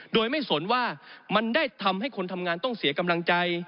โดยไม่สนว่ามันได้ทำให้คนทำงานต้องเสียกำลังใจ